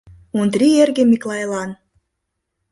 Онтри эрге Миклайлан